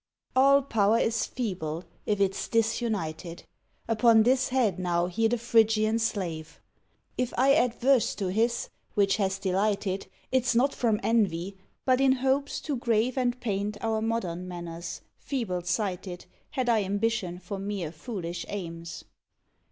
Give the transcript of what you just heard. All power is feeble, if it's disunited: Upon this head now hear the Phrygian slave. If I add verse to his, which has delighted, It's not from envy; but in hopes to grave And paint our modern manners feeble sighted Had I ambition for mere foolish aims.